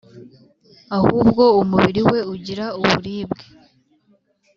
Ahubwo umubiri we ugira uburibwe